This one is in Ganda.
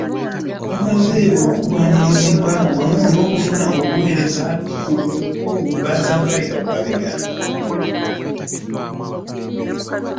Nga bamaze okwanirizibwa wamu n'okufuna ebiweweeza ku bukoowu baazambalira ku mabega.